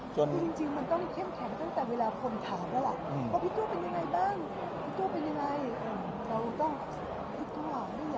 จริงมันต้องเข้มแข็งตั้งแต่เวลาคนถามแล้วล่ะ